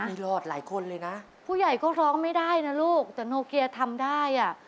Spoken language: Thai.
นี่รอดหลายคนเลยนะผู้ใหญ่ก็ร้องไม่ได้นะลูกแต่โนเกียทำได้อ่ะ